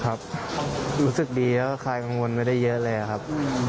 รู้สึกดีแล้วก็คลายกังวลไม่ได้เยอะเลยครับ